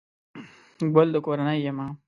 گل دکورنۍ يمه